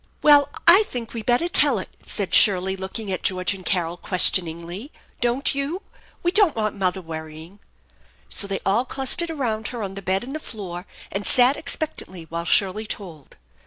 |" Well, I think we better tell it," said Shirley, looking at George and Carol questioningly. " Don't you ? We don't want mother worrying." So they all clustered around her on the bed and the floor, and sat expectantly while Shirley told.